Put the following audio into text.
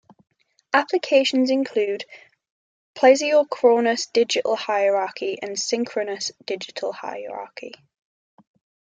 Applications include Plesiochronous Digital Hierarchy and Synchronous Digital Hierarchy.